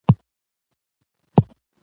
او تسخېرېدونکى حيثيت لري.